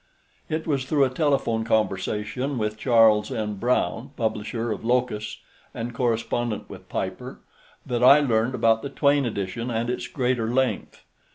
It was through a telephone conversation with Charles N. Brown, publisher of Locus and correspondent with Piper, that I learned about the Twayne edition and its greater length.